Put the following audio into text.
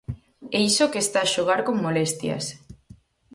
E iso que está a xogar con molestias.